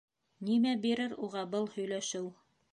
Нимә бирер уға был һөйләшеү?